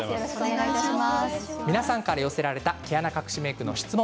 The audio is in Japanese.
皆さんから寄せられた毛穴隠しメークの質問